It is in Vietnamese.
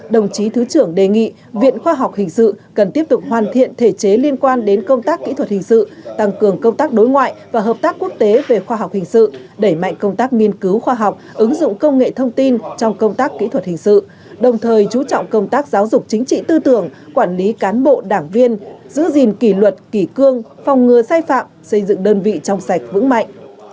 đồng chí thứ trưởng đề nghị viện khoa học hình sự cần tiếp tục hoàn thiện thể chế liên quan đến công tác kỹ thuật hình sự tăng cường công tác đối ngoại và hợp tác quốc tế về khoa học hình sự đẩy mạnh công tác nghiên cứu khoa học ứng dụng công nghệ thông tin trong công tác kỹ thuật hình sự đồng thời chú trọng công tác giáo dục chính trị tư tưởng quản lý cán bộ đảng viên giữ gìn kỷ luật kỷ cương phòng ngừa sai phạm xây dựng đơn vị trong sạch vững mạnh